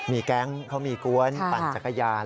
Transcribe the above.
มีแก๊งเขามีกวนปั่นจักรยาน